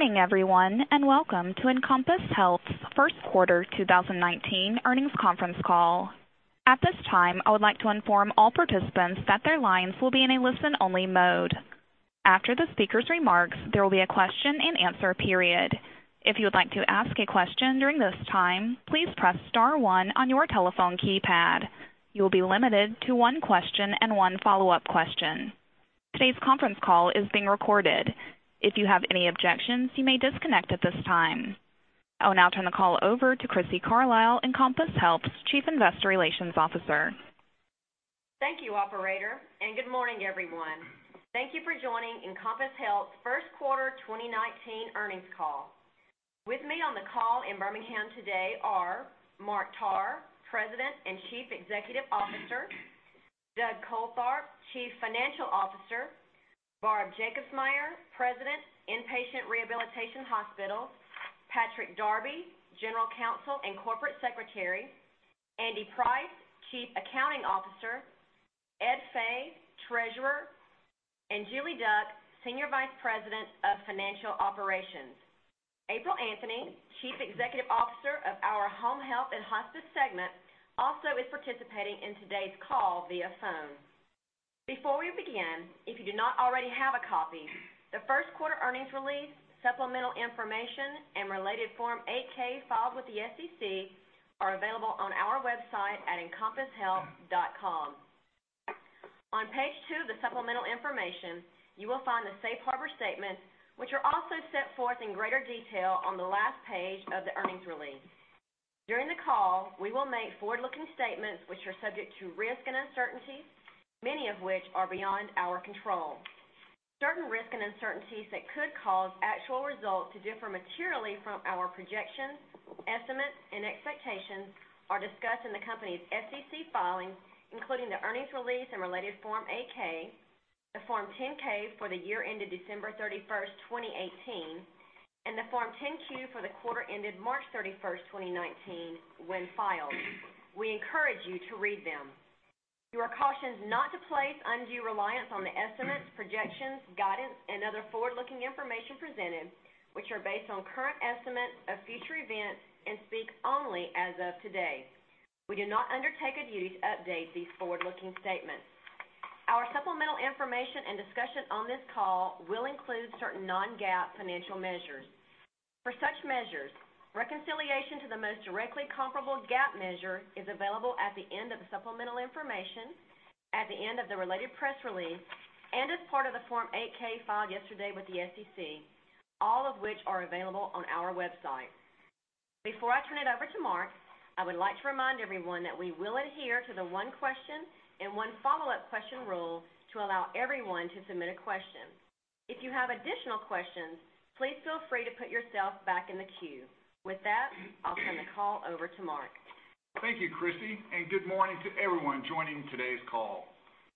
Good morning everyone, welcome to Encompass Health First Quarter 2019 earnings conference call. At this time, I would like to inform all participants that their lines will be in a listen-only mode. After the speaker's remarks, there will be a question and answer period. If you would like to ask a question during this time, please press star one on your telephone keypad. You will be limited to one question and one follow-up question. Today's conference call is being recorded. If you have any objections, you may disconnect at this time. I will now turn the call over to Crissy Carlisle, Encompass Health's Chief Investor Relations Officer. Thank you operator, good morning everyone. Thank you for joining Encompass Health First Quarter 2019 earnings call. With me on the call in Birmingham today are Mark Tarr, President and Chief Executive Officer. Douglas Coltharp, Chief Financial Officer. Barbara Jacobsmeyer, President, Inpatient Rehabilitation Hospitals. Patrick Darby, General Counsel and Corporate Secretary. Andy Price, Chief Accounting Officer. Ed Fay, Treasurer, and Julie Duck, Senior Vice President of Financial Operations. April Anthony, Chief Executive Officer of our Home Health and Hospice segment, also is participating in today's call via phone. Before we begin, if you do not already have a copy, the first quarter earnings release, supplemental information, and related Form 8-K filed with the SEC are available on our website at encompasshealth.com. On page two of the supplemental information, you will find the safe harbor statement, which are also set forth in greater detail on the last page of the earnings release. During the call, we will make forward-looking statements which are subject to risk and uncertainty, many of which are beyond our control. Certain risk and uncertainties that could cause actual results to differ materially from our projections, estimates, and expectations are discussed in the company's SEC filings, including the earnings release and related Form 8-K, the Form 10-K for the year ended December 31st, 2018, and the Form 10-Q for the quarter ended March 31st, 2019 when filed. We encourage you to read them. You are cautioned not to place undue reliance on the estimates, projections, guidance, and other forward-looking information presented, which are based on current estimates of future events and speak only as of today. We do not undertake a duty to update these forward-looking statements. Our supplemental information and discussion on this call will include certain non-GAAP financial measures. For such measures, reconciliation to the most directly comparable GAAP measure is available at the end of the supplemental information, at the end of the related press release, and as part of the Form 8-K filed yesterday with the SEC, all of which are available on our website. Before I turn it over to Mark, I would like to remind everyone that we will adhere to the one question and one follow-up question rule to allow everyone to submit a question. If you have additional questions, please feel free to put yourself back in the queue. With that, I'll turn the call over to Mark. Thank you, Crissy, and good morning to everyone joining today's call.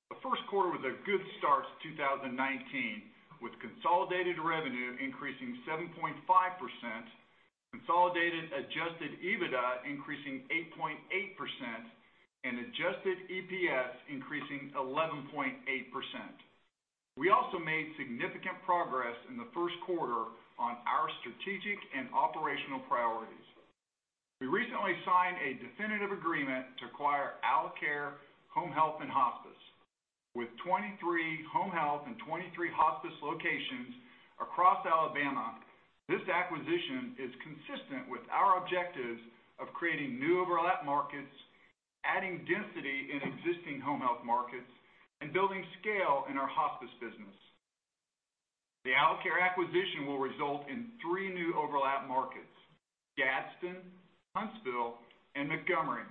The first quarter was a good start to 2019, with consolidated revenue increasing 7.5%, consolidated adjusted EBITDA increasing 8.8%, and adjusted EPS increasing 11.8%. We also made significant progress in the first quarter on our strategic and operational priorities. We recently signed a definitive agreement to acquire Alacare Home Health & Hospice. With 23 home health and 23 hospice locations across Alabama, this acquisition is consistent with our objectives of creating new overlap markets, adding density in existing home health markets, and building scale in our hospice business. The Alacare acquisition will result in three new overlap markets, Gadsden, Huntsville, and Montgomery,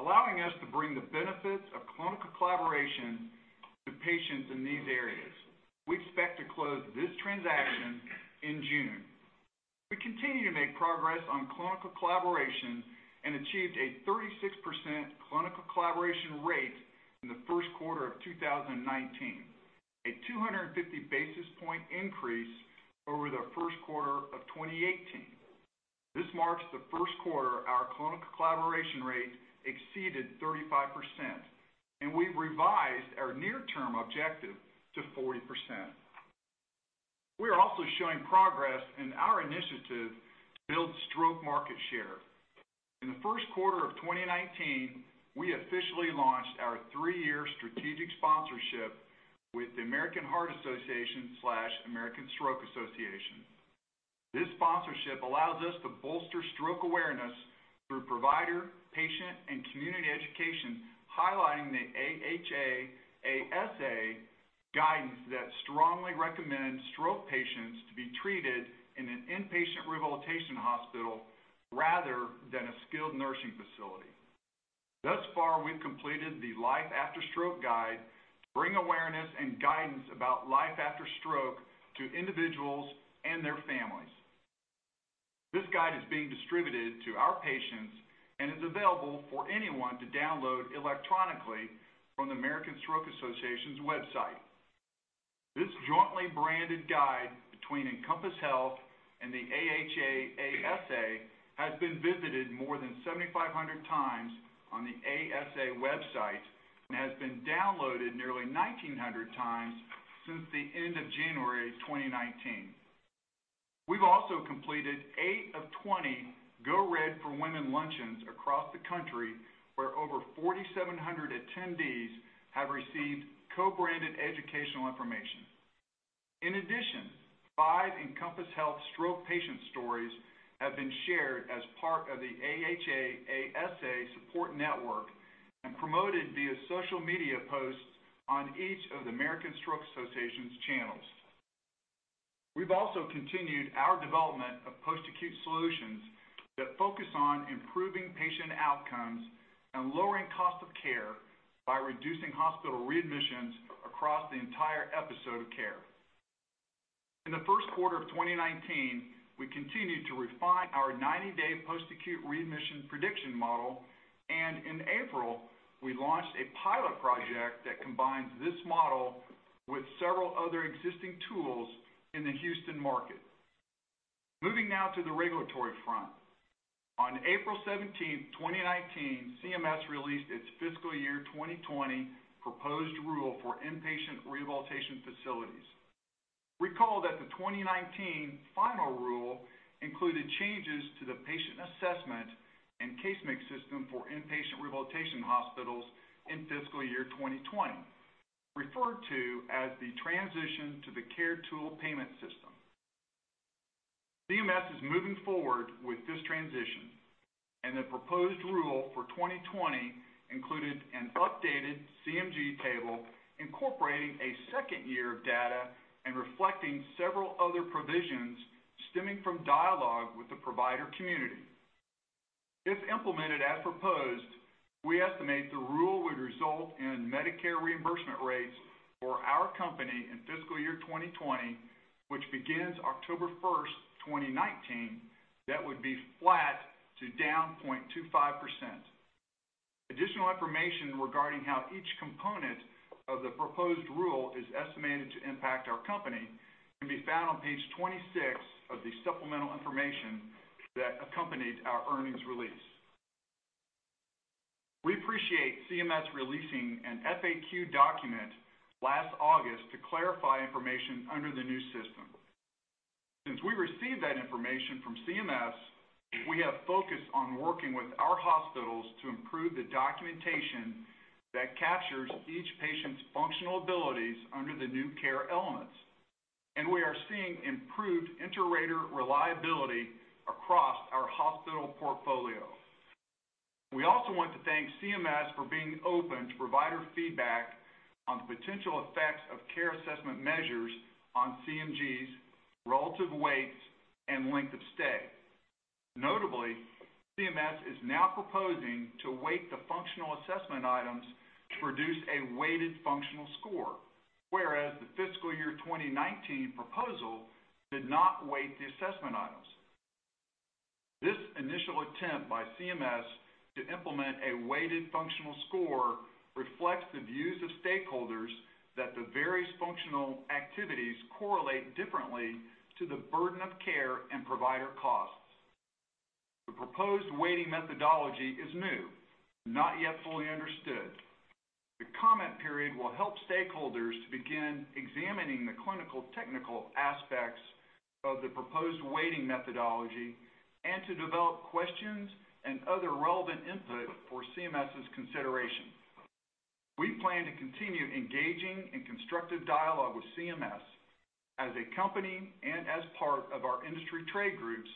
allowing us to bring the benefits of clinical collaboration to patients in these areas. We expect to close this transaction in June. We continue to make progress on clinical collaboration and achieved a 36% clinical collaboration rate in the first quarter of 2019, a 250 basis point increase over the first quarter of 2018. This marks the first quarter our clinical collaboration rate exceeded 35%, and we've revised our near-term objective to 40%. We are also showing progress in our initiative to build stroke market share. In the first quarter of 2019, we officially launched our three-year strategic sponsorship with the American Heart Association/American Stroke Association. This sponsorship allows us to bolster stroke awareness through provider, patient, and community education, highlighting the AHA/ASA guidance that strongly recommends stroke patients to be treated in an inpatient rehabilitation hospital rather than a skilled nursing facility. Thus far, we've completed the Life After Stroke guide to bring awareness and guidance about life after stroke to individuals and their families. This guide is being distributed to our patients and is available for anyone to download electronically from the American Stroke Association's website. This jointly branded guide between Encompass Health and the AHA/ASA has been visited more than 7,500 times on the ASA website and has been downloaded nearly 1,900 times since the end of January 2019. We've also completed eight of 20 Go Red For Women luncheons across the country, where over 4,700 attendees have received co-branded educational information. In addition, five Encompass Health stroke patient stories have been shared as part of the AHA/ASA support network and promoted via social media posts on each of the American Stroke Association's channels. We've also continued our development of post-acute solutions that focus on improving patient outcomes and lowering cost of care by reducing hospital readmissions across the entire episode of care. In the first quarter of 2019, we continued to refine our 90-day post-acute readmission prediction model, and in April, we launched a pilot project that combines this model with several other existing tools in the Houston market. Moving now to the regulatory front. On April 17th, 2019, CMS released its fiscal year 2020 proposed rule for inpatient rehabilitation facilities. Recall that the 2019 final rule included changes to the patient assessment and case mix system for inpatient rehabilitation hospitals in fiscal year 2020, referred to as the transition to the CARE tool payment system. CMS is moving forward with this transition, and the proposed rule for 2020 included an updated CMG table incorporating a second year of data and reflecting several other provisions stemming from dialogue with the provider community. If implemented as proposed, we estimate the rule would result in Medicare reimbursement rates for our company in fiscal year 2020, which begins October 1, 2019, that would be flat to down 0.25%. Additional information regarding how each component of the proposed rule is estimated to impact our company can be found on page 26 of the supplemental information that accompanied our earnings release. We appreciate CMS releasing an FAQ document last August to clarify information under the new system. Since we received that information from CMS, we have focused on working with our hospitals to improve the documentation that captures each patient's functional abilities under the new care elements, and we are seeing improved inter-rater reliability across our hospital portfolio. We also want to thank CMS for being open to provider feedback on the potential effects of care assessment measures on CMGs, relative weights, and length of stay. Notably, CMS is now proposing to weight the functional assessment items to produce a weighted functional score, whereas the fiscal year 2019 proposal did not weight the assessment items. This initial attempt by CMS to implement a weighted functional score reflects the views of stakeholders that the various functional activities correlate differently to the burden of care and provider costs. The proposed weighting methodology is new, not yet fully understood. The comment period will help stakeholders to begin examining the clinical-technical aspects of the proposed weighting methodology and to develop questions and other relevant input for CMS's consideration. We plan to continue engaging in constructive dialogue with CMS as a company and as part of our industry trade groups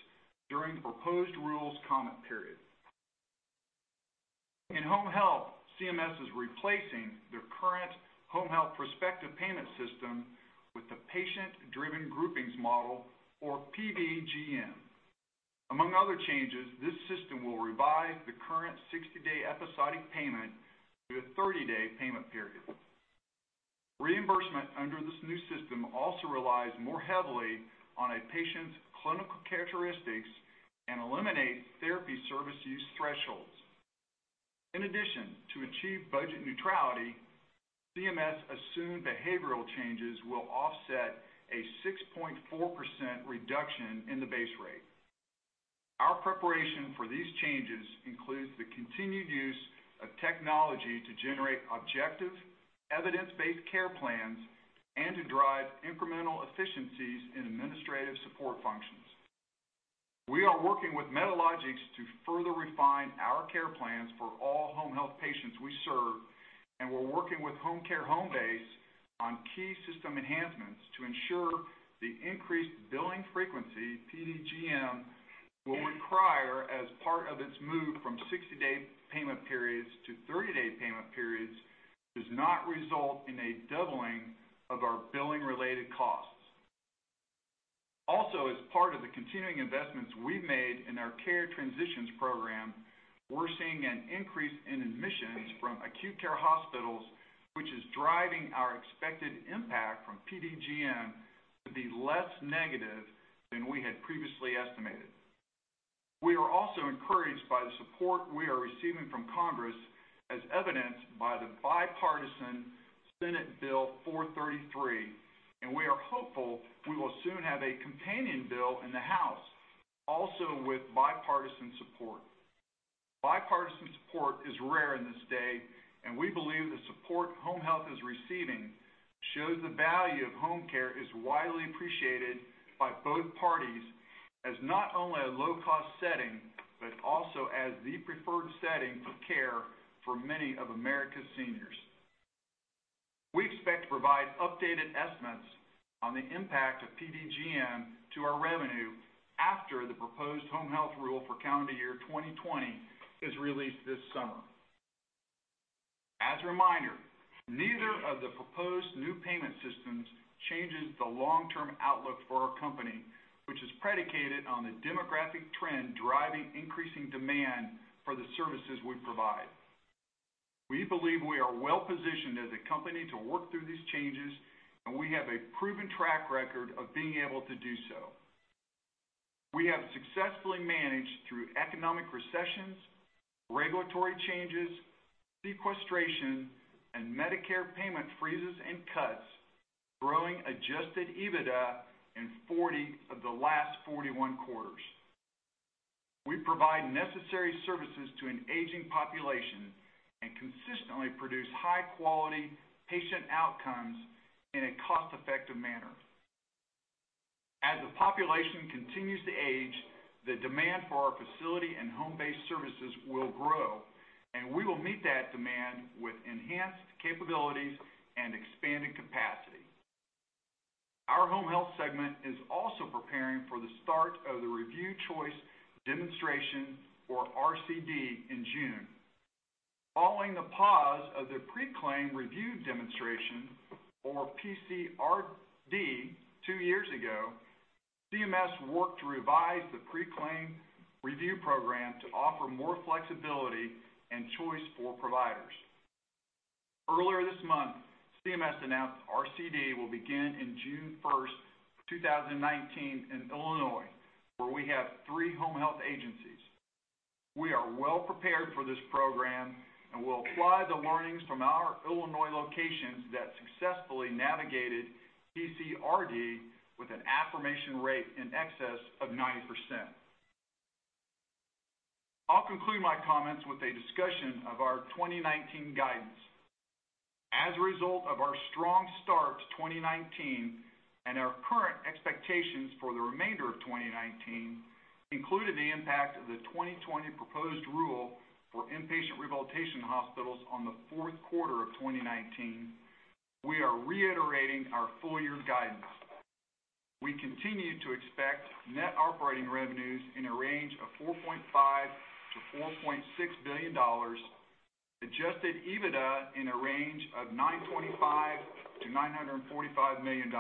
during the proposed rules comment period. In home health, CMS is replacing their current home health prospective payment system with the Patient-Driven Groupings Model, or PDGM. Among other changes, this system will revise the current 60-day episodic payment to a 30-day payment period. Reimbursement under this new system also relies more heavily on a patient's clinical characteristics and eliminates therapy service use thresholds. In addition, to achieve budget neutrality, CMS assumed behavioral changes will offset a 6.4% reduction in the base rate. Our preparation for these changes includes the continued use of technology to generate objective, evidence-based care plans and to drive incremental efficiencies in administrative support functions. We are working with Medalogix to further refine our care plans for all home health patients we serve, and we're working with Homecare Homebase on key system enhancements to ensure the increased billing frequency PDGM will require as part of its move from 60-day payment periods to 30-day payment periods does not result in a doubling of our billing-related costs. As part of the continuing investments we've made in our care transitions program, we're seeing an increase in admissions from acute care hospitals, which is driving our expected impact from PDGM to be less negative than we had previously estimated. We are also encouraged Support we are receiving from Congress, as evidenced by the bipartisan Senate Bill 433. We are hopeful we will soon have a companion bill in the House, also with bipartisan support. Bipartisan support is rare in this day. We believe the support home health is receiving shows the value of home care is widely appreciated by both parties as not only a low-cost setting, but also as the preferred setting of care for many of America's seniors. We expect to provide updated estimates on the impact of PDGM to our revenue after the proposed home health rule for calendar year 2020 is released this summer. As a reminder, neither of the proposed new payment systems changes the long-term outlook for our company, which is predicated on the demographic trend driving increasing demand for the services we provide. We believe we are well-positioned as a company to work through these changes, and we have a proven track record of being able to do so. We have successfully managed through economic recessions, regulatory changes, sequestration, and Medicare payment freezes and cuts, growing adjusted EBITDA in 40 of the last 41 quarters. We provide necessary services to an aging population and consistently produce high-quality patient outcomes in a cost-effective manner. As the population continues to age, the demand for our facility and home-based services will grow, and we will meet that demand with enhanced capabilities and expanded capacity. Our home health segment is also preparing for the start of the Review Choice Demonstration, or RCD, in June. Following the pause of the Pre-Claim Review Demonstration, or PCRD, two years ago, CMS worked to revise the Pre-Claim Review program to offer more flexibility and choice for providers. Earlier this month, CMS announced RCD will begin in June 1st, 2019, in Illinois, where we have three home health agencies. We are well-prepared for this program and will apply the learnings from our Illinois locations that successfully navigated PCRD with an affirmation rate in excess of 90%. I'll conclude my comments with a discussion of our 2019 guidance. As a result of our strong start to 2019 and our current expectations for the remainder of 2019, including the impact of the 2020 proposed rule for inpatient rehabilitation hospitals on the fourth quarter of 2019, we are reiterating our full-year guidance. We continue to expect net operating revenues in a range of $4.5 billion-$4.6 billion, adjusted EBITDA in a range of $925 million-$945 million,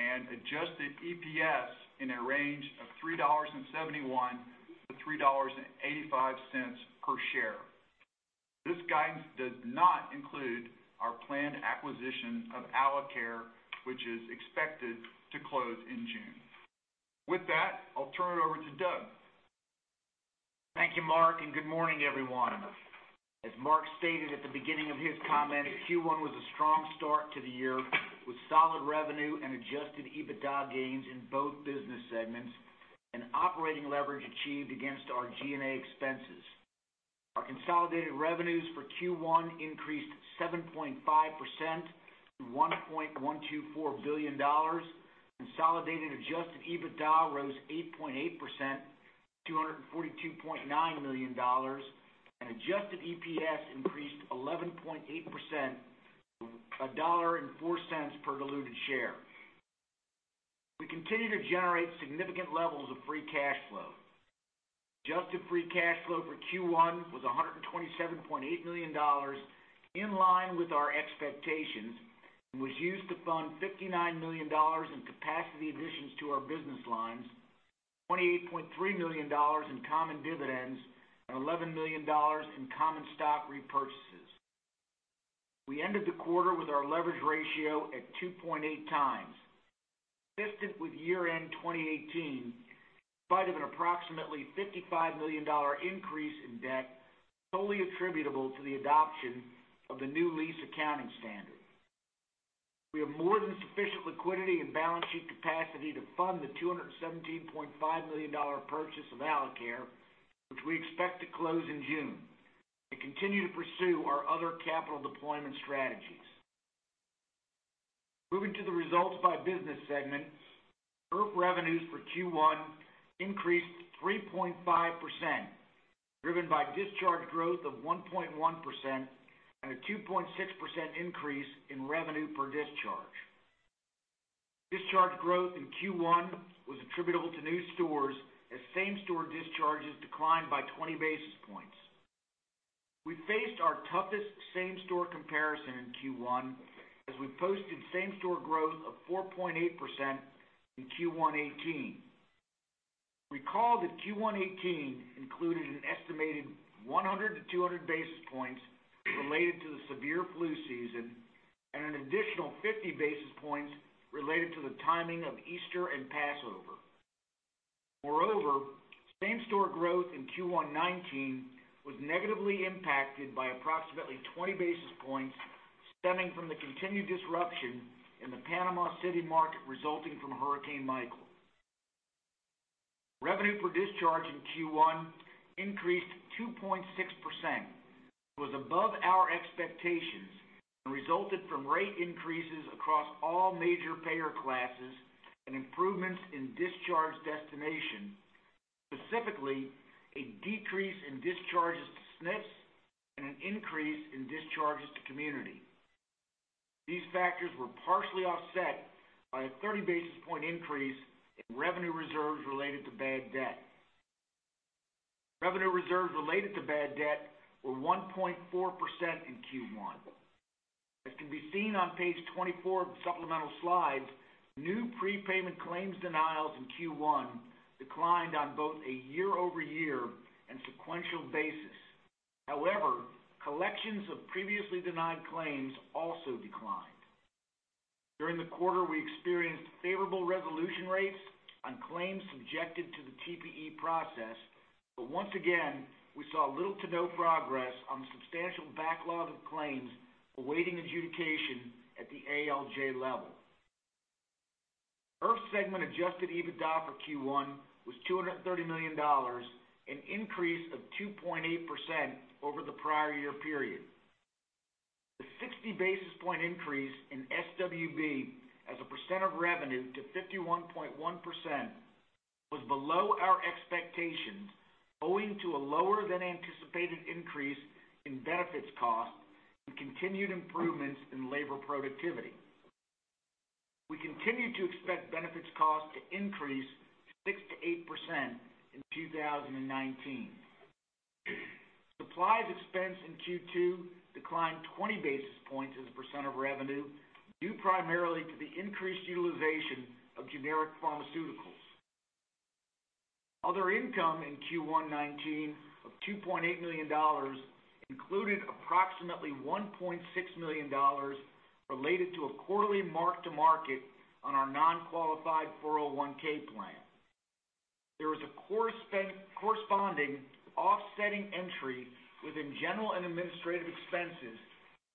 and adjusted EPS in a range of $3.71-$3.85 per share. This guidance does not include our planned acquisition of Alacare, which is expected to close in June. With that, I'll turn it over to Doug. Thank you, Mark, and good morning, everyone. As Mark stated at the beginning of his comments, Q1 was a strong start to the year with solid revenue and adjusted EBITDA gains in both business segments and operating leverage achieved against our G&A expenses. Our consolidated revenues for Q1 increased 7.5% to $1.124 billion, consolidated adjusted EBITDA rose 8.8%, $242.9 million, and adjusted EPS increased 11.8% to $1.04 per diluted share. We continue to generate significant levels of free cash flow. Adjusted free cash flow for Q1 was $127.8 million, in line with our expectations, and was used to fund $59 million in capacity additions to our business lines, $28.3 million in common dividends, and $11 million in common stock repurchases. We ended the quarter with our leverage ratio at 2.8 times, consistent with year-end 2018, in spite of an approximately $55 million increase in debt totally attributable to the adoption of the new lease accounting standard. We have more than sufficient liquidity and balance sheet capacity to fund the $217.5 million purchase of Alacare, which we expect to close in June, and continue to pursue our other capital deployment strategies. Moving to the results by business segment, IRF revenues for Q1 increased 3.5%, driven by discharge growth of 1.1% and a 2.6% increase in revenue per discharge. Discharge growth in Q1 was attributable to new stores as same-store discharges declined by 20 basis points. We faced our toughest same-store comparison in Q1 as we posted same-store growth of 4.8% in Q1 2018. Recall that Q1 2018 included an estimated 100 to 200 basis points related to the severe flu season and an additional 50 basis points related to the timing of Easter and Passover. Moreover, same-store growth in Q1 2019 was negatively impacted by approximately 20 basis points stemming from the continued disruption in the Panama City market resulting from Hurricane Michael. Revenue per discharge in Q1 increased 2.6%, was above our expectations, and resulted from rate increases across all major payer classes and improvements in discharge destination, specifically, a decrease in discharges to SNFs and an increase in discharges to community. These factors were partially offset by a 30 basis point increase in revenue reserves related to bad debt. Revenue reserves related to bad debt were 1.4% in Q1. As can be seen on page 24 of the supplemental slides, new prepayment claims denials in Q1 declined on both a year-over-year and sequential basis. However, collections of previously denied claims also declined. During the quarter, we experienced favorable resolution rates on claims subjected to the TPE process, but once again, we saw little to no progress on the substantial backlog of claims awaiting adjudication at the ALJ level. IRF segment adjusted EBITDA for Q1 was $230 million, an increase of 2.8% over the prior year period. The 60 basis point increase in SWB as a percent of revenue to 51.1% was below our expectations, owing to a lower than anticipated increase in benefits cost and continued improvements in labor productivity. We continue to expect benefits cost to increase 6%-8% in 2019. Supplies expense in Q2 declined 20 basis points as a percent of revenue, due primarily to the increased utilization of generic pharmaceuticals. Other income in Q1 2019 of $2.8 million included approximately $1.6 million related to a quarterly mark-to-market on our non-qualified 401(k) plan. There was a corresponding offsetting entry within general and administrative expenses,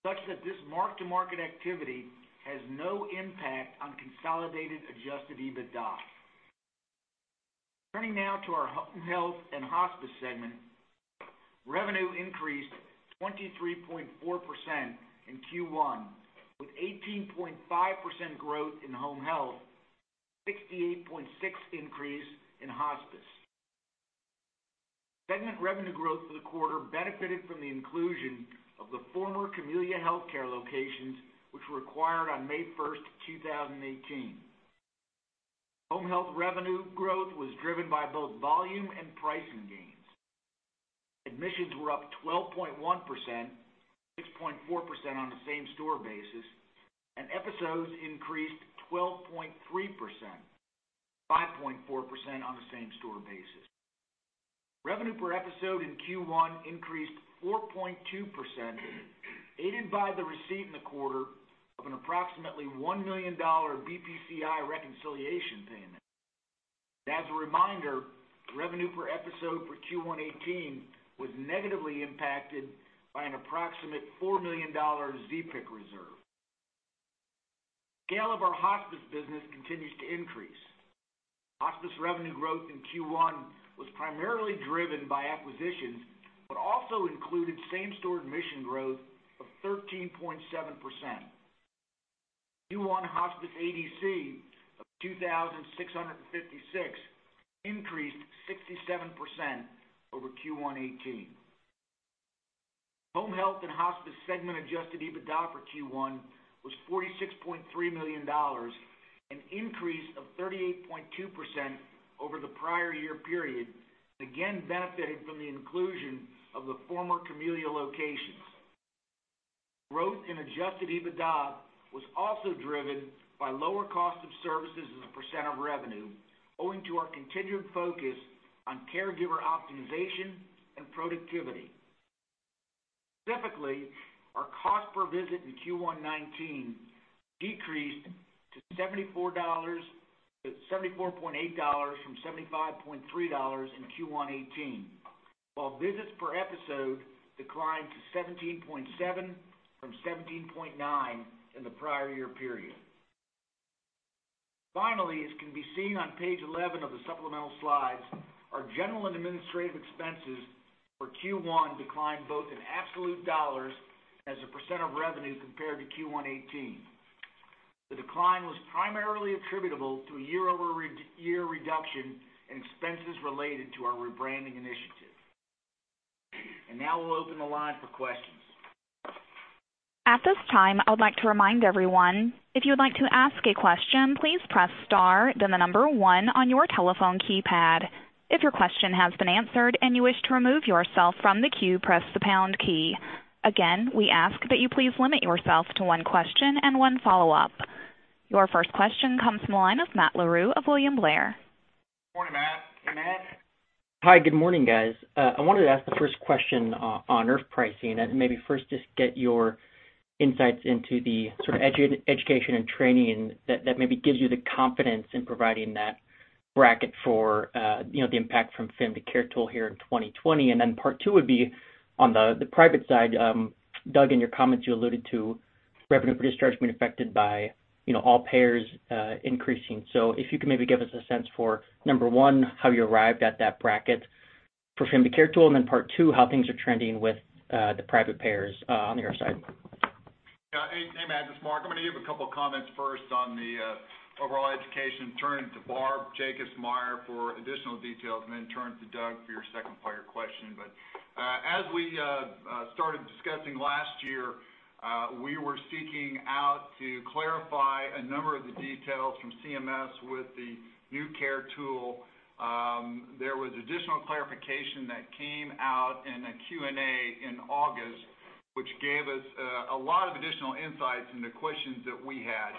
such that this mark-to-market activity has no impact on consolidated adjusted EBITDA. Turning now to our Home Health and Hospice segment. Revenue increased 23.4% in Q1, with 18.5% growth in home health, 68.6% increase in hospice. Segment revenue growth for the quarter benefited from the inclusion of the former Camellia Healthcare locations, which were acquired on May 1st, 2018. Home health revenue growth was driven by both volume and pricing gains. Admissions were up 12.1%, 6.4% on the same store basis, and episodes increased 12.3%, 5.4% on the same store basis. Revenue per episode in Q1 increased 4.2%, aided by the receipt in the quarter of an approximately $1 million BPCI reconciliation payment. As a reminder, revenue per episode for Q1 2018 was negatively impacted by an approximate $4 million ZPIC reserve. Scale of our hospice business continues to increase. Hospice revenue growth in Q1 was primarily driven by acquisitions, but also included same-store admission growth of 13.7%. Q1 hospice ADC of 2,656 increased 67% over Q1 2018. Home health and hospice segment adjusted EBITDA for Q1 was $46.3 million, an increase of 38.2% over the prior year period, again benefiting from the inclusion of the former Camellia locations. Growth in adjusted EBITDA was also driven by lower cost of services as a percent of revenue, owing to our continued focus on caregiver optimization and productivity. Specifically, our cost per visit in Q1 2019 decreased to $74.8 from $75.3 in Q1 2018, while visits per episode declined to 17.7 from 17.9 in the prior year period. Finally, as can be seen on page 11 of the supplemental slides, our general and administrative expenses for Q1 declined both in absolute dollars and as a percent of revenue compared to Q1 2018. The decline was primarily attributable to a year-over-year reduction in expenses related to our rebranding initiative. Now we'll open the line for questions. At this time, I would like to remind everyone, if you would like to ask a question, please press star then the number one on your telephone keypad. If your question has been answered and you wish to remove yourself from the queue, press the pound key. Again, we ask that you please limit yourself to one question and one follow-up. Your first question comes from the line of Matt Larew of William Blair. Morning, Matt. Hey, Matt. Hi, good morning, guys. I wanted to ask the first question on IRF pricing. Maybe first just get your insights into the sort of education and training that maybe gives you the confidence in providing that bracket for the impact from FIM to CARE tool here in 2020. Then part two would be on the private side. Doug, in your comments, you alluded to revenue per discharge being affected by all payers increasing. If you could maybe give us a sense for, number one, how you arrived at that bracket for FIM to CARE tool, and then part two, how things are trending with the private payers on the IRF side. Hey, Matt, this is Mark. I'm going to give a couple of comments first on the overall education, turn it to Barb Jacobsmeyer for additional details, and then turn to Doug for your second part of your question. As we started discussing last year, we were seeking out to clarify a number of the details from CMS with the new CARE tool. There was additional clarification that came out in a Q&A in August, which gave us a lot of additional insights into questions that we had.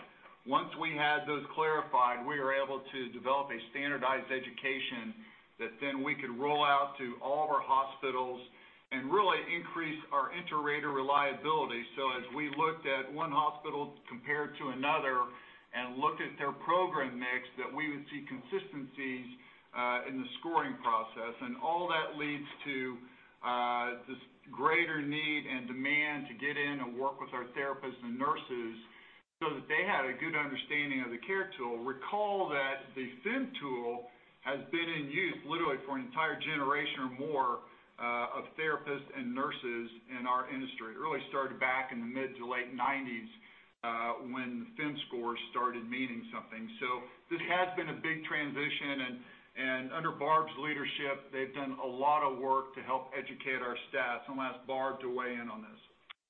Once we had those clarified, we were able to develop a standardized education that then we could roll out to all of our hospitals and really increase our inter-rater reliability. As we looked at one hospital compared to another and looked at their program mix, that we would see consistencies in the scoring process. All that leads to this greater need and demand to get in and work with our therapists and nurses so that they had a good understanding of the CARE tool. Recall that the FIM tool has been in use literally for an entire generation or more of therapists and nurses in our industry. It really started back in the mid to late '90s when the FIM score started meaning something. This has been a big transition, and under Barb's leadership, they've done a lot of work to help educate our staff. I'm going to ask Barb to weigh in on this.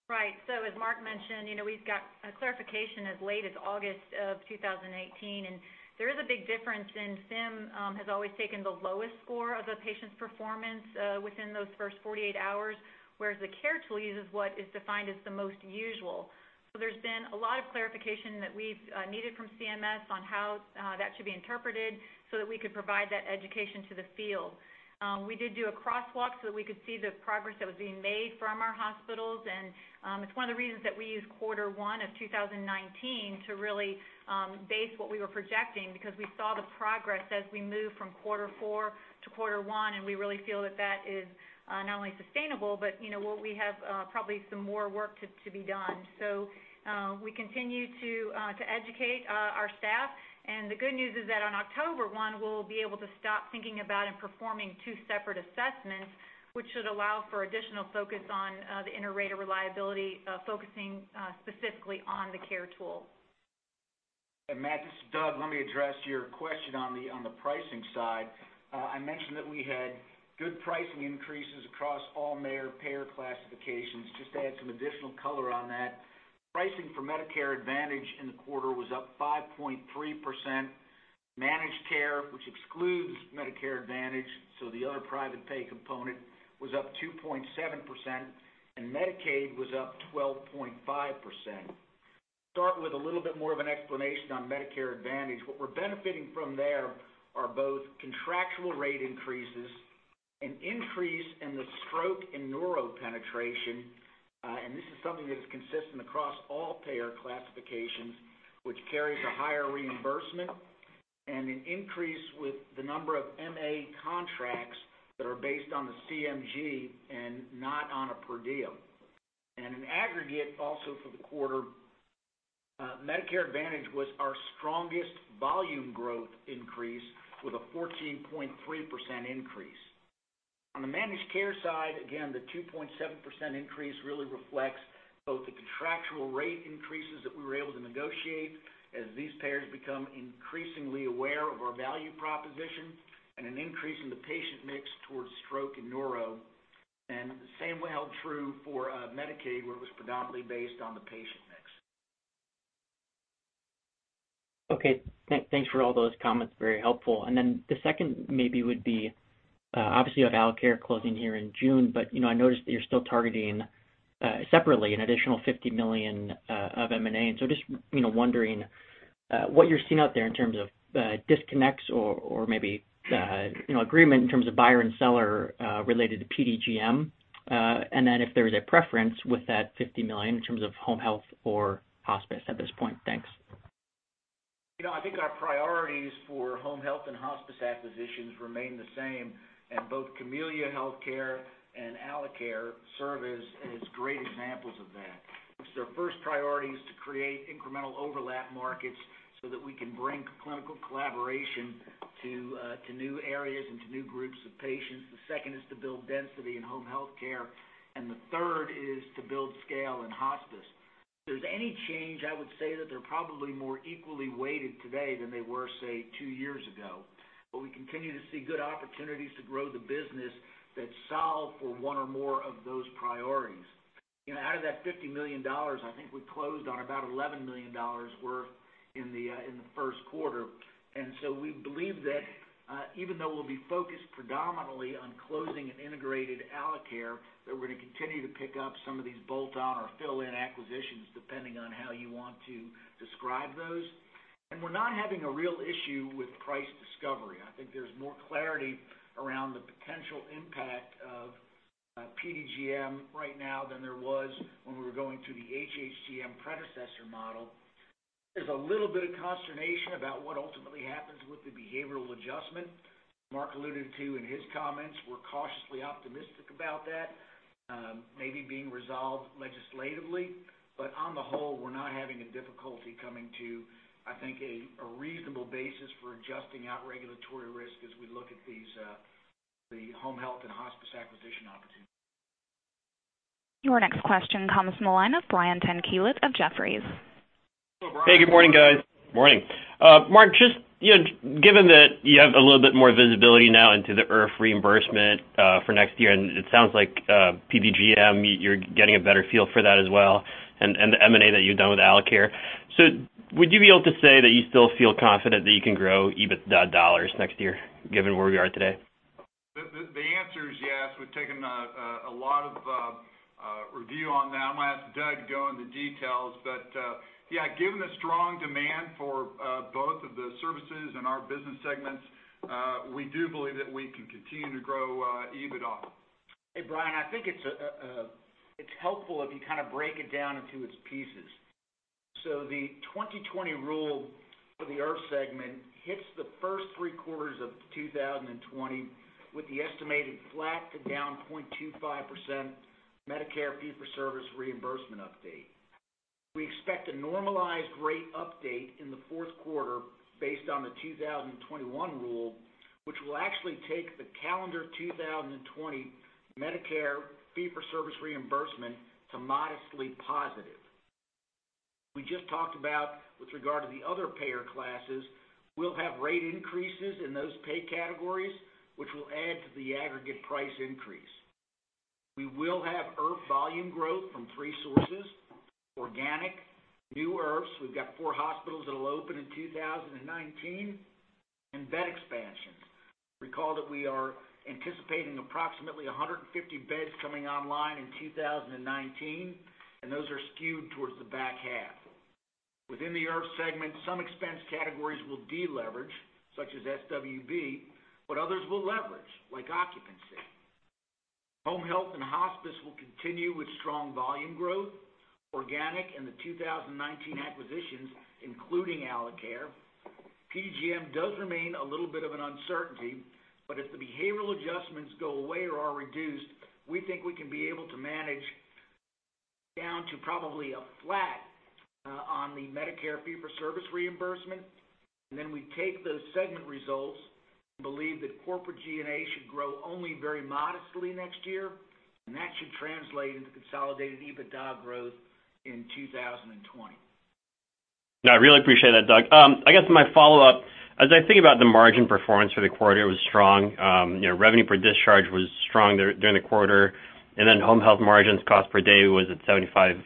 Right. As Mark mentioned, we've got a clarification as late as August of 2018, and there is a big difference in FIM has always taken the lowest score of the patient's performance within those first 48 hours, whereas the CARE tool uses what is defined as the most usual. There's been a lot of clarification that we've needed from CMS on how that should be interpreted so that we could provide that education to the field. We did do a crosswalk so that we could see the progress that was being made from our hospitals, and it's one of the reasons that we use quarter one of 2019 to really base what we were projecting, because we saw the progress as we moved from quarter four to quarter one, and we really feel that that is not only sustainable, but what we have probably some more work to be done. We continue to educate our staff, and the good news is that on October 1, we'll be able to stop thinking about and performing two separate assessments, which should allow for additional focus on the inter-rater reliability, focusing specifically on the CARE tool. Hey, Matt, this is Doug. Let me address your question on the pricing side. I mentioned that we had good pricing increases across all major payer classifications. Just to add some additional color on that, pricing for Medicare Advantage in the quarter was up 5.3%. Managed care, which excludes Medicare Advantage, so the other private pay component, was up 2.7%, and Medicaid was up 12.5%. Start with a little bit more of an explanation on Medicare Advantage. What we're benefiting from there are both contractual rate increases, an increase in the stroke and neuro penetration, and this is something that is consistent across all payer classifications, which carries a higher reimbursement, and an increase with the number of MA contracts that are based on the CMG and not on a per diem. In aggregate, also for the quarter, Medicare Advantage was our strongest volume growth increase with a 14.3% increase. On the managed care side, again, the 2.7% increase really reflects both the contractual rate increases that we were able to negotiate as these payers become increasingly aware of our value proposition and an increase in the patient mix towards stroke and neuro. The same held true for Medicaid, where it was predominantly based on the patient mix. Okay. Thanks for all those comments. Very helpful. The second maybe would be, obviously you have Alacare closing here in June, I noticed that you're still targeting separately an additional $50 million of M&A. Just wondering what you're seeing out there in terms of disconnects or maybe agreement in terms of buyer and seller related to PDGM. If there is a preference with that $50 million in terms of home health or hospice at this point. Thanks. I think our priorities for home health and hospice acquisitions remain the same, both Camellia Healthcare and Alacare serve as great examples of that. First priority is to create incremental overlap markets so that we can bring clinical collaboration to new areas and to new groups of patients. The second is to build density in home healthcare, and the third is to build scale in hospice. If there's any change, I would say that they're probably more equally weighted today than they were, say, two years ago. We continue to see good opportunities to grow the business that solve for one or more of those priorities. Out of that $50 million, I think we closed on about $11 million worth in the first quarter. We believe that even though we'll be focused predominantly on closing an integrated Alacare, that we're going to continue to pick up some of these bolt-on or fill-in acquisitions, depending on how you want to describe those. We're not having a real issue with price discovery. I think there's more clarity around the potential impact of PDGM right now than there was when we were going through the HHGM predecessor model. There's a little bit of consternation about what ultimately happens with the behavioral adjustment Mark alluded to in his comments. We're cautiously optimistic about that, maybe being resolved legislatively. On the whole, we're not having a difficulty coming to, I think, a reasonable basis for adjusting out regulatory risk as we look at the home health and hospice acquisition opportunity. Your next question comes from the line of Brian Tanquilut of Jefferies. Hey, good morning, guys. Morning. Mark, just given that you have a little bit more visibility now into the IRF reimbursement for next year, and it sounds like, PDGM, you're getting a better feel for that as well, and the M&A that you've done with Alacare. Would you be able to say that you still feel confident that you can grow EBITDA dollars next year given where we are today? The answer is yes. We've taken a lot of review on that. I'm going to ask Doug to go into details. Yeah, given the strong demand for both of the services and our business segments, we do believe that we can continue to grow EBITDA. Hey, Brian, I think it's helpful if you kind of break it down into its pieces. The 2020 rule for the IRF segment hits the first three quarters of 2020 with the estimated flat to down 0.25% Medicare fee-for-service reimbursement update. We expect a normalized rate update in the fourth quarter based on the 2021 rule, which will actually take the calendar 2020 Medicare fee-for-service reimbursement to modestly positive. We just talked about, with regard to the other payer classes, we'll have rate increases in those pay categories, which will add to the aggregate price increase. We will have IRF volume growth from three sources: organic, new IRFs, we've got four hospitals that'll open in 2019, and bed expansion. Recall that we are anticipating approximately 150 beds coming online in 2019, and those are skewed towards the back half. Within the IRF segment, some expense categories will de-leverage, such as SWB, but others will leverage, like occupancy. Home health and hospice will continue with strong volume growth, organic and the 2019 acquisitions, including Alacare. PDGM does remain a little bit of an uncertainty, but if the behavioral adjustments go away or are reduced, we think we can be able to manage down to probably a flat on the Medicare fee-for-service reimbursement. We take those segment results and believe that corporate G&A should grow only very modestly next year, and that should translate into consolidated EBITDA growth in 2020. No, I really appreciate that, Doug. I guess my follow-up, as I think about the margin performance for the quarter, it was strong. Revenue per discharge was strong during the quarter, home health margins cost per day was at $75.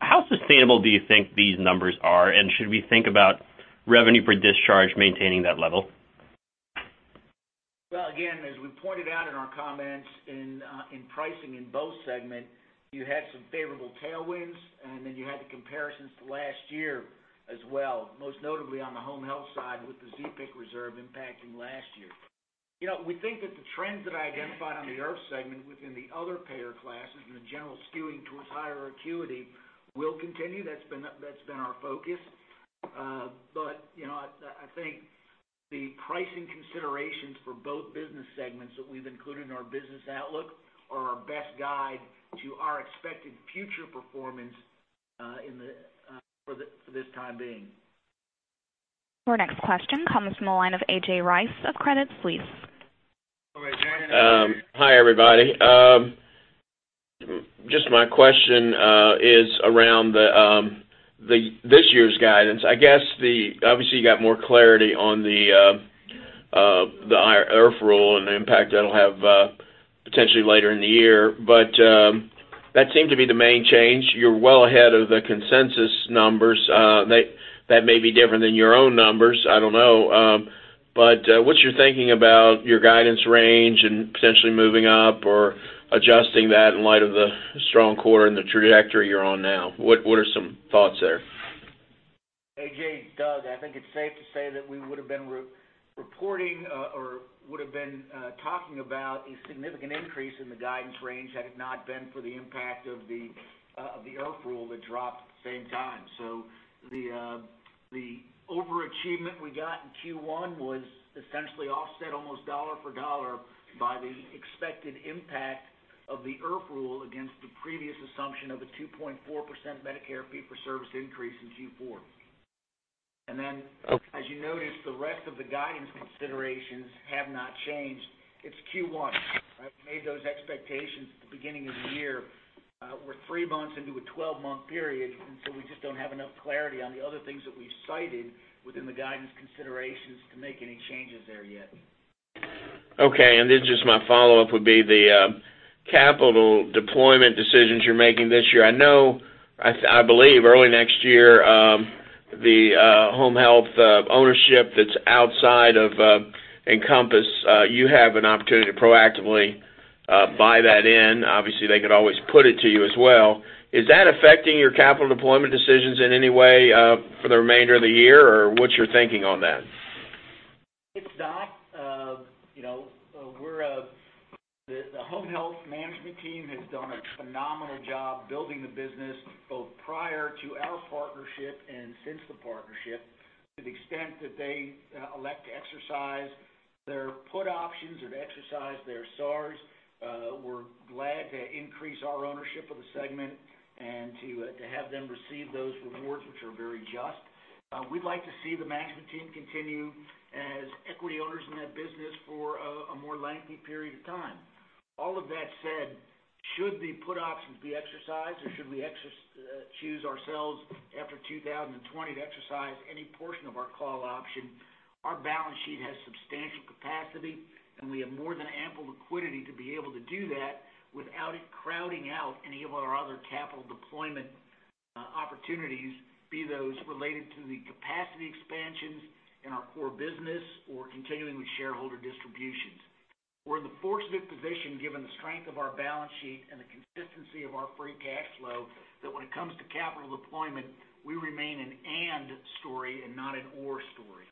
How sustainable do you think these numbers are? Should we think about revenue per discharge maintaining that level? Well, again, as we pointed out in our comments in pricing in both segments, you had some favorable tailwinds, you had the comparisons to last year as well, most notably on the home health side with the ZPIC reserve impacting last year. We think that the trends that I identified on the IRF segment within the other payer classes and the general skewing towards higher acuity will continue. That's been our focus. I think the pricing considerations for both business segments that we've included in our business outlook are our best guide to our expected future performance for this time being. Our next question comes from the line of A.J. Rice of Credit Suisse. Go ahead, A.J. Hi, everybody. Just my question is around this year's guidance. I guess obviously you got more clarity on the IRF rule and the impact that'll have potentially later in the year, that seemed to be the main change. You're well ahead of the consensus numbers. That may be different than your own numbers, I don't know. What's your thinking about your guidance range and potentially moving up or adjusting that in light of the strong quarter and the trajectory you're on now? What are some thoughts there? A.J., Doug, I think it's safe to say that we would've been reporting or would've been talking about a significant increase in the guidance range had it not been for the impact of the IRF rule that dropped at the same time. The overachievement we got in Q1 was essentially offset almost dollar for dollar by the expected impact of the IRF rule against the previous assumption of a 2.4% Medicare fee-for-service increase in Q4. Okay. As you noticed, the rest of the guidance considerations have not changed. It's Q1, right? We made those expectations at the beginning of the year. We're three months into a 12-month period, we just don't have enough clarity on the other things that we've cited within the guidance considerations to make any changes there yet. Okay, just my follow-up would be the capital deployment decisions you're making this year. I believe early next year, the home health ownership that's outside of Encompass Health. You have an opportunity to proactively buy that in. Obviously, they could always put it to you as well. Is that affecting your capital deployment decisions in any way for the remainder of the year, or what's your thinking on that? It's not. The home health management team has done a phenomenal job building the business, both prior to our partnership and since the partnership. To the extent that they elect to exercise their put options or to exercise their SARs, we're glad to increase our ownership of the segment and to have them receive those rewards, which are very just. We'd like to see the management team continue as equity owners in that business for a more lengthy period of time. All of that said, should the put options be exercised, or should we choose ourselves after 2020 to exercise any portion of our call option, our balance sheet has substantial capacity, and we have more than ample liquidity to be able to do that without it crowding out any of our other capital deployment opportunities, be those related to the capacity expansions in our core business or continuing with shareholder distributions. We're in the fortunate position, given the strength of our balance sheet and the consistency of our free cash flow, that when it comes to capital deployment, we remain an and story and not an or story.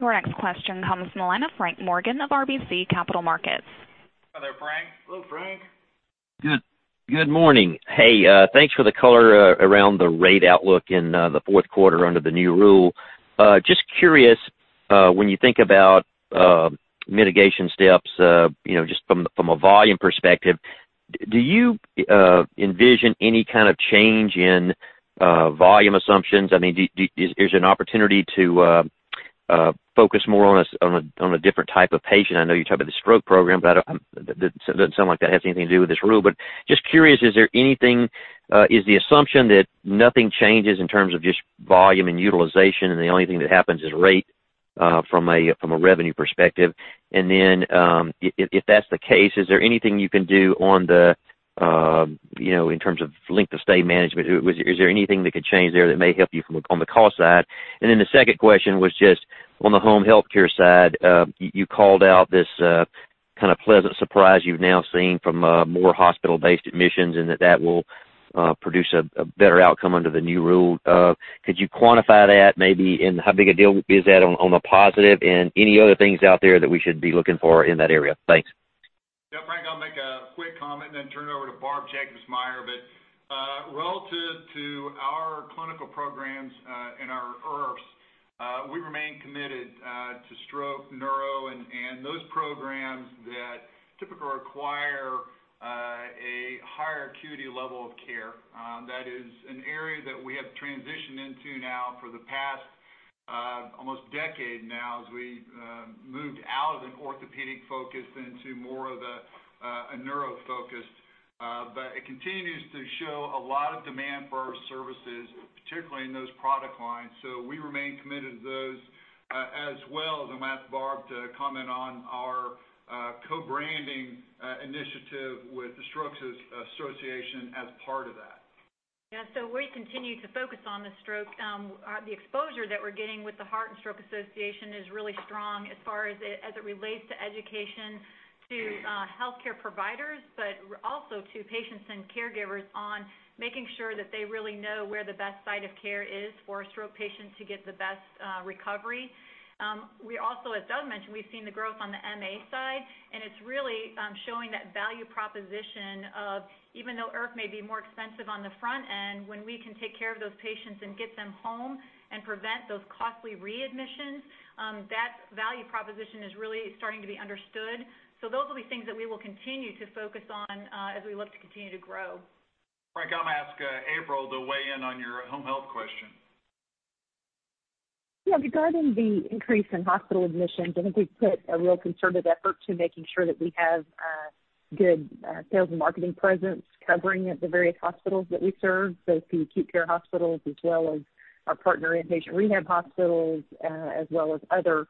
Your next question comes from the line of Frank Morgan of RBC Capital Markets. Hi there, Frank. Hello, Frank. Good morning. Hey, thanks for the color around the rate outlook in the fourth quarter under the new rule. Just curious, when you think about mitigation steps, just from a volume perspective, do you envision any kind of change in volume assumptions? Is there an opportunity to focus more on a different type of patient? I know you talked about the stroke program, but it doesn't sound like that has anything to do with this rule, but just curious, is the assumption that nothing changes in terms of just volume and utilization, and the only thing that happens is rate from a revenue perspective? If that's the case, is there anything you can do in terms of length of stay management? Is there anything that could change there that may help you on the cost side? The second question was just on the home healthcare side. You called out this pleasant surprise you've now seen from more hospital-based admissions and that that will produce a better outcome under the new rule. Could you quantify that maybe, and how big a deal is that on a positive? Any other things out there that we should be looking for in that area? Thanks. Frank, I'll make a quick comment and then turn it over to Barbara Jacobsmeyer. Relative to our clinical programs and our IRFs, we remain committed to stroke, neuro, and those programs that typically require a higher acuity level of care. That is an area that we have transitioned into now for the past almost decade now, as we moved out of an orthopedic focus into more of a neuro focus. It continues to show a lot of demand for our services, particularly in those product lines. We remain committed to those, as well as I'm going to ask Barb to comment on our co-branding initiative with the Stroke Association as part of that. Yeah. We continue to focus on the stroke. The exposure that we're getting with the Heart and Stroke Association is really strong as far as it relates to education to healthcare providers, but also to patients and caregivers on making sure that they really know where the best site of care is for a stroke patient to get the best recovery. We also, as Doug mentioned, we've seen the growth on the MA side, and it's really showing that value proposition of, even though IRF may be more expensive on the front end, when we can take care of those patients and get them home and prevent those costly readmissions, that value proposition is really starting to be understood. Those will be things that we will continue to focus on as we look to continue to grow. Frank, I'm going to ask April to weigh in on your home health question. Yeah, regarding the increase in hospital admissions, I think we've put a real concerted effort to making sure that we have good sales and marketing presence covering at the various hospitals that we serve, both the acute care hospitals as well as our partner in patient rehab hospitals, as well as other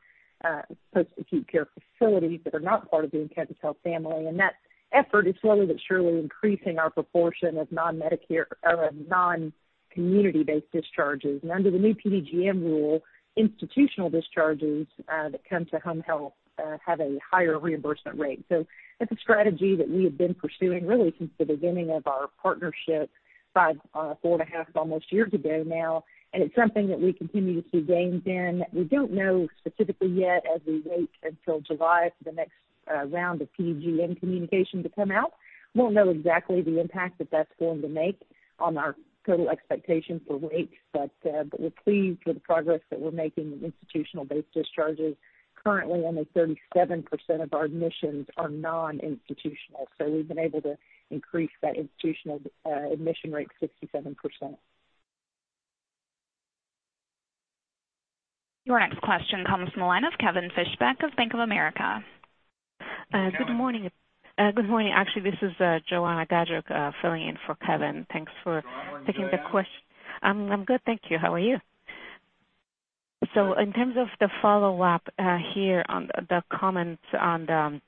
post-acute care facilities that are not part of the Encompass Health family. That effort is slowly but surely increasing our proportion of non-community-based discharges. Under the new PDGM rule, institutional discharges that come to home health have a higher reimbursement rate. It's a strategy that we have been pursuing really since the beginning of our partnership, four and a half almost years ago now, and it's something that we continue to see gains in. We don't know specifically yet as we wait until July for the next round of PDGM communication to come out. Won't know exactly the impact that that's going to make on our total expectations for rates, but we're pleased with the progress that we're making with institutional-based discharges. Currently, only 37% of our admissions are non-institutional, so we've been able to increase that institutional admission rate to 67%. Your next question comes from the line of Kevin Fischbeck of Bank of America. Good morning. Good morning. Actually, this is Joanna Gajuk filling in for Kevin. Thanks for taking the question. Joanna, how are you today? I'm good, thank you. How are you? Good. In terms of the follow-up here on the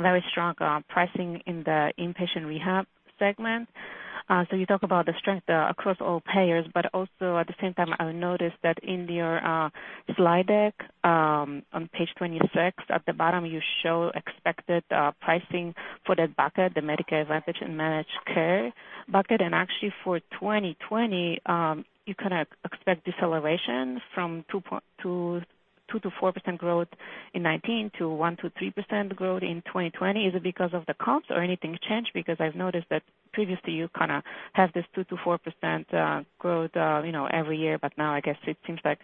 very strong pricing in the inpatient rehab segment. You talk about the strength across all payers, but also at the same time, I noticed that in your slide deck, on page 26, at the bottom, you show expected pricing for that bucket, the Medicare Advantage and Managed Care bucket. Actually for 2020, you kind of expect deceleration from 2%-4% growth in 2019 to 1%-3% growth in 2020. Is it because of the comps or anything changed? I've noticed that previously you kind of have this 2%-4% growth every year, but now I guess it seems like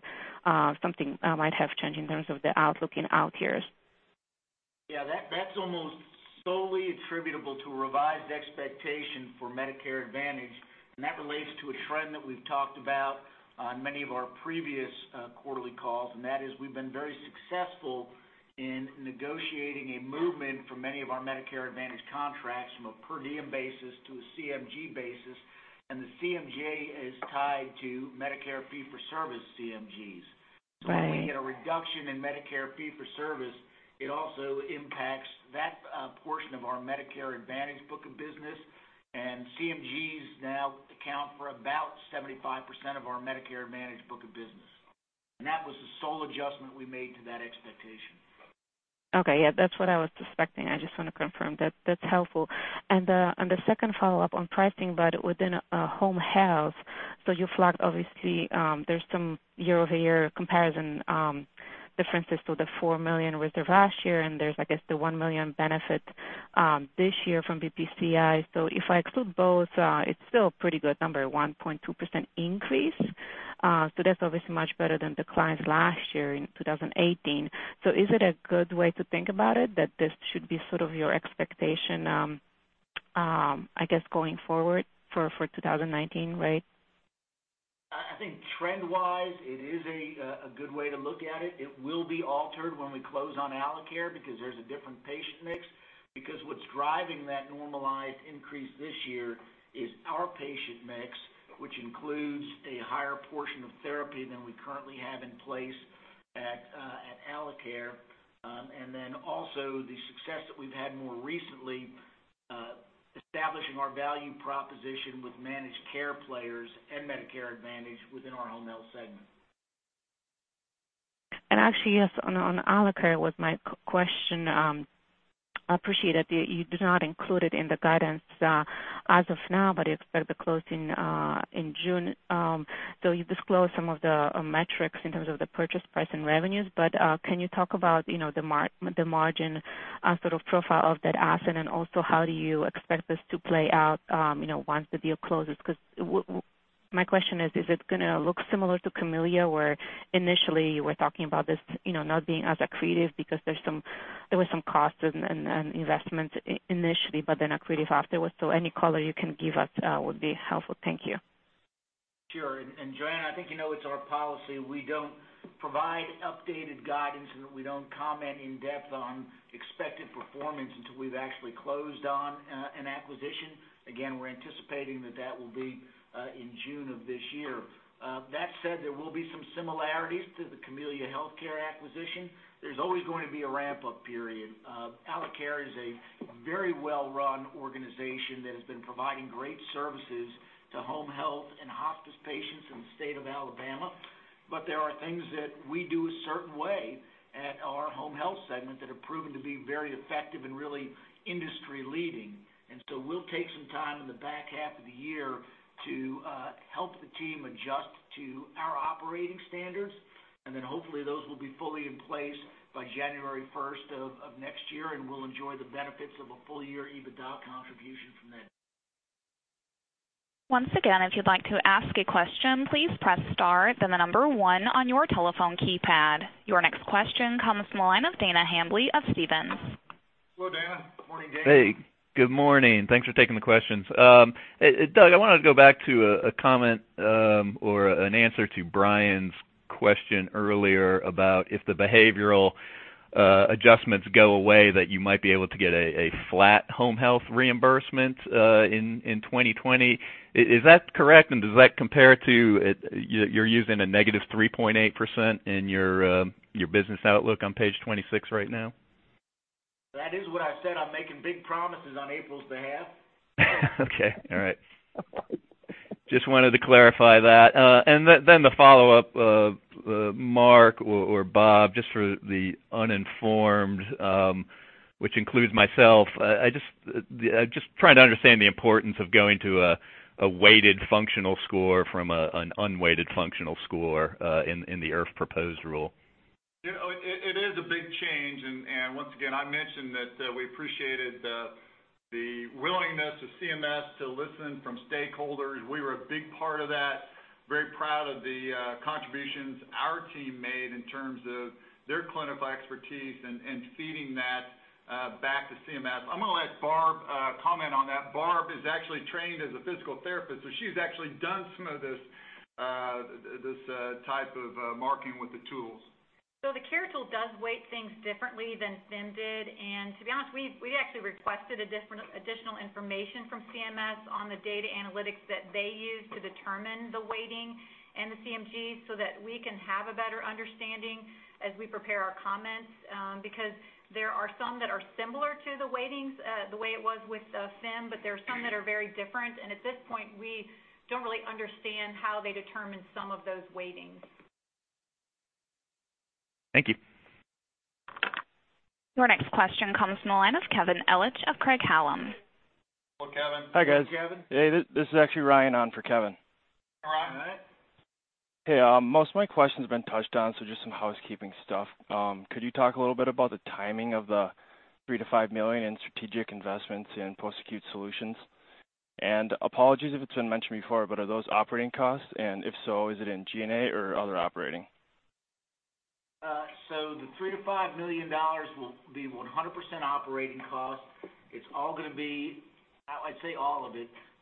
something might have changed in terms of the outlook in out years. Yeah. That's almost solely attributable to revised expectation for Medicare Advantage. That relates to a trend that we've talked about on many of our previous quarterly calls, and that is we've been very successful in negotiating a movement for many of our Medicare Advantage contracts from a per diem basis to a CMG basis, and the CMG is tied to Medicare fee for service CMGs. When we get a reduction in Medicare fee for service, it also impacts that portion of our Medicare Advantage book of business, and CMGs now account for about 75% of our Medicare Advantage book of business. That was the sole adjustment we made to that expectation. Okay. Yeah, that is what I was suspecting. I just want to confirm. That is helpful. The second follow-up on pricing, but within home health. You flagged, obviously, there are some year-over-year comparison differences. The $4 million reserve last year, and there is, I guess, the $1 million benefit this year from BPCI. If I exclude both, it is still a pretty good number, a 1.2% increase. That is obviously much better than the clients last year in 2018. Is it a good way to think about it, that this should be sort of your expectation, I guess, going forward for 2019, right? I think trend-wise, it is a good way to look at it. It will be altered when we close on Alacare because there is a different patient mix. What is driving that normalized increase this year is our patient mix, which includes a higher portion of therapy than we currently have in place at Alacare. Then also the success that we have had more recently, establishing our value proposition with managed care players and Medicare Advantage within our home health segment. Actually, yes, on Alacare was my question. I appreciate that you did not include it in the guidance as of now, you expect the close in June. You disclosed some of the metrics in terms of the purchase price and revenues, can you talk about the margin sort of profile of that asset, and also how do you expect this to play out once the deal closes? My question is it going to look similar to Camellia Healthcare, where initially you were talking about this not being as accretive because there was some cost and investment initially, then accretive afterwards. Any color you can give us would be helpful. Thank you. Sure. Joanna, I think you know it is our policy we do not provide updated guidance, and we do not comment in depth on expected performance until we have actually closed on an acquisition. Again, we are anticipating that that will be in June of this year. That said, there will be some similarities to the Camellia Healthcare acquisition. There is always going to be a ramp-up period. Alacare is a very well-run organization that has been providing great services to home health and hospice patients in the state of Alabama. There are things that we do a certain way at our home health segment that have proven to be very effective and really industry leading. We'll take some time in the back half of the year to help the team adjust to our operating standards, hopefully those will be fully in place by January 1st of next year, and we'll enjoy the benefits of a full year EBITDA contribution from that. Once again, if you'd like to ask a question, please press star, then the number one on your telephone keypad. Your next question comes from the line of Dana Hamby of Stephens. Hey, Dana. Hey, good morning. Thanks for taking the questions. Doug, I wanted to go back to a comment, or an answer to Brian's question earlier about if the behavioral adjustments go away, that you might be able to get a flat home health reimbursement in 2020. Is that correct? Does that compare to, you're using a negative 3.8% in your business outlook on page 26 right now? That is what I said on making big promises on April's behalf. Okay. All right. Just wanted to clarify that. Then the follow-up, Mark or Barb, just for the uninformed, which includes myself, I'm just trying to understand the importance of going to a weighted functional score from an unweighted functional score, in the IRF proposed rule. It is a big change. Once again, I mentioned that we appreciated the willingness of CMS to listen from stakeholders. We were a big part of that. Very proud of the contributions our team made in terms of their clinical expertise and feeding that back to CMS. I'm going to let Barb comment on that. Barb is actually trained as a physical therapist, so she's actually done some of this type of marking with the tools. The CARE tool does weight things differently than FIM did. To be honest, we actually requested additional information from CMS on the data analytics that they use to determine the weighting and the CMGs so that we can have a better understanding. As we prepare our comments, there are some that are similar to the weightings, the way it was with FIM, but there are some that are very different, and at this point, we don't really understand how they determine some of those weightings. Thank you. Your next question comes from the line of Kevin Ellich of Craig-Hallum. Hello, Kevin. Hi, guys. Hey, Kevin. Hey, this is actually Ryan on for Kevin. Hi, Ryan. All right. Most of my questions have been touched on. Just some housekeeping stuff. Could you talk a little bit about the timing of the $3 million-$5 million in strategic investments in post-acute solutions? Apologies if it's been mentioned before. Are those operating costs? If so, is it in G&A or other operating? The $3 million-$5 million will be 100% operating cost. It's all going to be,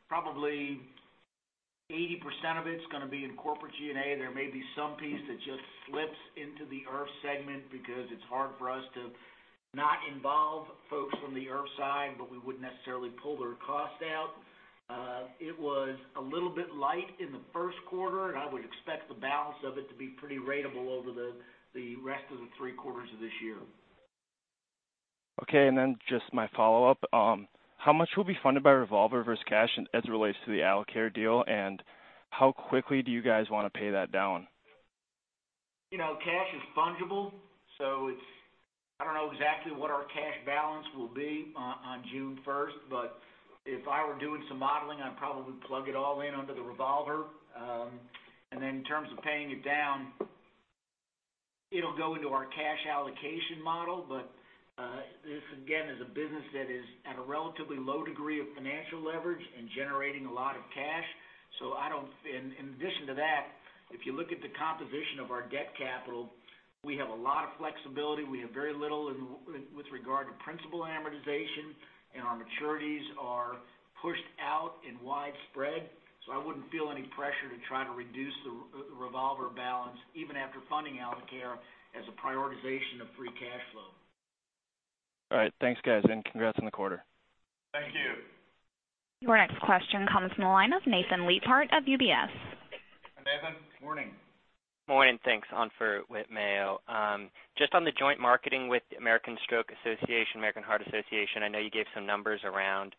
probably 80% of it's going to be in corporate G&A. There may be some piece that just slips into the IRF segment because it's hard for us to not involve folks from the IRF side. We wouldn't necessarily pull their cost out. It was a little bit light in the first quarter. I would expect the balance of it to be pretty ratable over the rest of the three quarters of this year. Just my follow-up. How much will be funded by revolver versus cash as it relates to the Alacare deal? How quickly do you guys want to pay that down? Cash is fungible. I don't know exactly what our cash balance will be on June 1st. If I were doing some modeling, I'd probably plug it all in under the revolver. In terms of paying it down, it'll go into our cash allocation model. This again is a business that is at a relatively low degree of financial leverage and generating a lot of cash. In addition to that, if you look at the composition of our debt capital, we have a lot of flexibility. We have very little with regard to principal amortization. Our maturities are pushed out and widespread. I wouldn't feel any pressure to try to reduce the revolver balance even after funding Alacare as a prioritization of free cash flow. All right. Thanks, guys, and congrats on the quarter. Thank you. Your next question comes from the line of Nathan Leiphardt of UBS. Nathan, good morning. Morning. Thanks. On for Whit Mayo. Just on the joint marketing with the American Stroke Association, American Heart Association, I know you gave some numbers around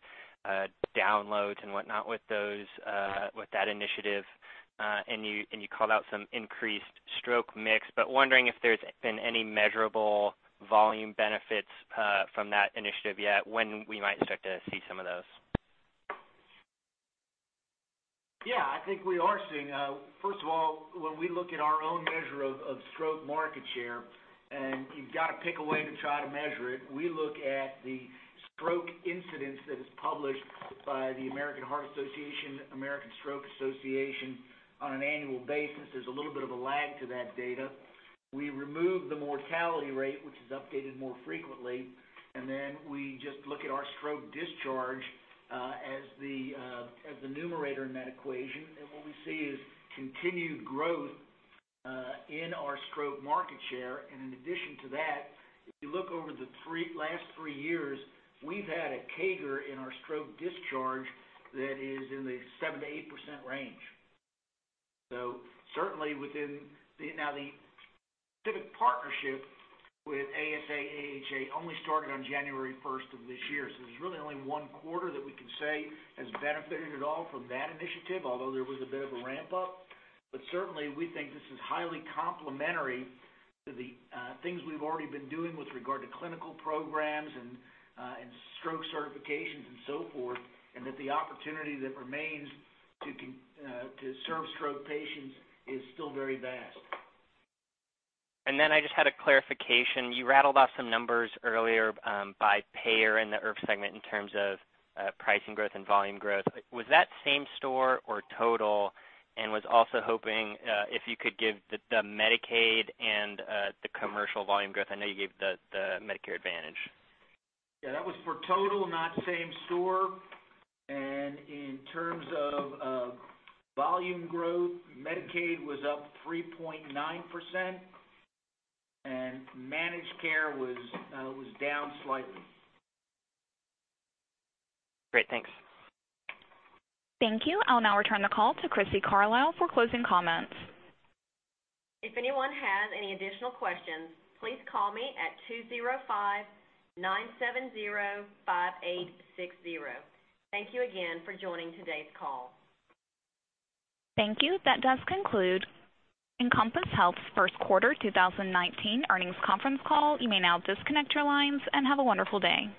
downloads and whatnot with that initiative, and you called out some increased stroke mix. Wondering if there's been any measurable volume benefits from that initiative yet, when we might expect to see some of those. Yeah, I think we are seeing. First of all, when we look at our own measure of stroke market share, and you've got to pick a way to try to measure it, we look at the stroke incidence that is published by the American Heart Association, American Stroke Association on an annual basis. There's a little bit of a lag to that data. We remove the mortality rate, which is updated more frequently, and then we just look at our stroke discharge as the numerator in that equation. What we see is continued growth in our stroke market share. In addition to that, if you look over the last three years, we've had a CAGR in our stroke discharge that is in the 7%-8% range. Now the specific partnership with ASA/AHA only started on January 1st of this year, so there's really only one quarter that we can say has benefited at all from that initiative, although there was a bit of a ramp-up. Certainly, we think this is highly complementary to the things we've already been doing with regard to clinical programs and stroke certifications and so forth, and that the opportunity that remains to serve stroke patients is still very vast. I just had a clarification. You rattled off some numbers earlier by payer in the IRF segment in terms of pricing growth and volume growth. Was that same store or total? Was also hoping if you could give the Medicaid and the commercial volume growth. I know you gave the Medicare Advantage. Yeah, that was for total, not same store. In terms of volume growth, Medicaid was up 3.9%, Managed Care was down slightly. Great. Thanks. Thank you. I will now return the call to Crissy Carlisle for closing comments. If anyone has any additional questions, please call me at 205-970-5860. Thank you again for joining today's call. Thank you. That does conclude Encompass Health's First Quarter 2019 Earnings Conference Call. You may now disconnect your lines and have a wonderful day.